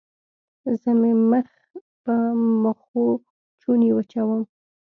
زه مې مخ په مخوچوني وچوم.